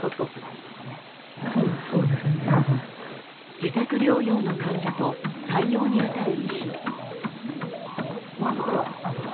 自宅療養の患者と対応に当たる医師。